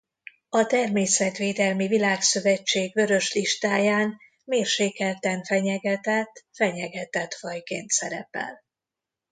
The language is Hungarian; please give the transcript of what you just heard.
A Természetvédelmi Világszövetség Vörös listáján mérsékelten fenyegetett fenyegetett fajként szerepel.